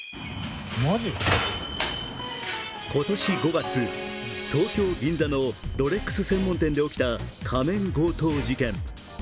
今年５月、東京・銀座のロレックス専門店で起きた仮面強盗事件。